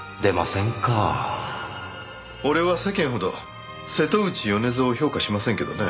俺は世間ほど瀬戸内米蔵を評価しませんけどね。